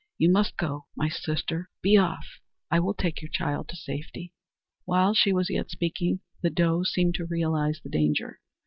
"You must go, my sister! Be off; I will take your child to safety!" While she was yet speaking, the doe seemed to realize the danger.